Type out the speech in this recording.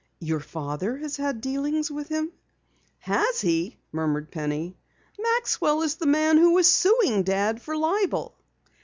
"Your father has had dealings with him?" "Has he?" murmured Penny. "Maxwell is the man who is suing Dad for libel!"